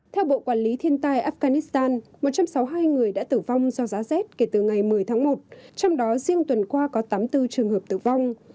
theo bộ quản lý thiên tai afghanistan một trăm sáu mươi hai người đã tử vong do giá rét kể từ ngày một mươi tháng một trong đó riêng tuần qua có tám mươi bốn trường hợp tử vong